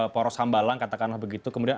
poros hambalang katakanlah begitu kemudian